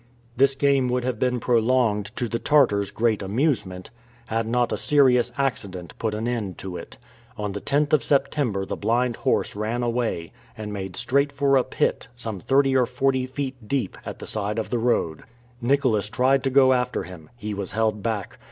This game would have been prolonged, to the Tartars' great amusement, had not a serious accident put an end to it. On the 10th of September the blind horse ran away, and made straight for a pit, some thirty or forty feet deep, at the side of the road. Nicholas tried to go after him. He was held back.